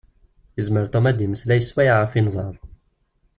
Yezmer Tom ad d-yemmeslay sswayeɛ ɣef yinzaḍ.